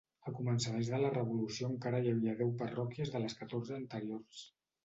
A començaments de la Revolució encara hi havia deu parròquies de les catorze anteriors.